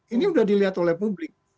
ini sudah dilihat oleh publik